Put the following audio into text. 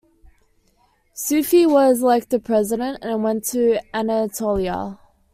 Suphi was elected President and went to Anatolia.